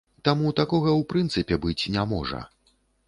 Таму такога ў прынцыпе быць не можа.